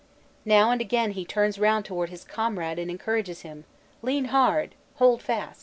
Now and again he turns round towards his comrade and encourages him: "Lean hard!" "Hold fast!"